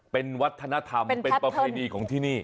เป็นวัฒนธรรมเป็นประเพณีของที่นี่